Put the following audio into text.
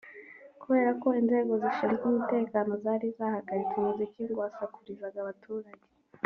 kubera ko inzego zishinzwe umutekano zari zahagaritse umuziki ngo wasakurizaga abaturage